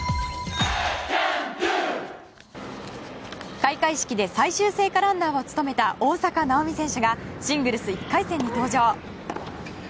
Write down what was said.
開会式で最終聖火ランナーを務めた大坂なおみ選手がシングルス１回戦に登場。